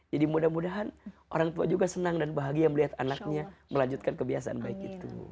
mudah mudahan orang tua juga senang dan bahagia melihat anaknya melanjutkan kebiasaan baik itu